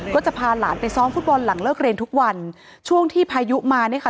ก็จะพาหลานไปซ้อมฟุตบอลหลังเลิกเรียนทุกวันช่วงที่พายุมาเนี่ยค่ะ